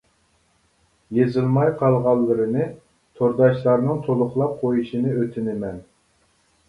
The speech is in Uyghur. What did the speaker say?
يېزىلماي قالغانلىرىنى تورداشلارنىڭ تولۇقلاپ قويۇشىنى ئۆتۈنىمەن.